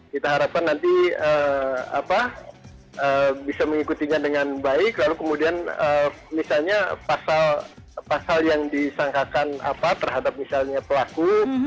kita harapkan nanti bisa mengikutinya dengan baik lalu kemudian misalnya pasal yang disangkakan terhadap misalnya pelaku